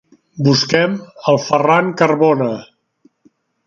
Busquem el Ferran Carbona!